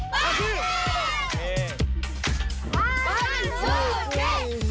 ไป